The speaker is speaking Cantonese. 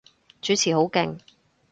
主持好勁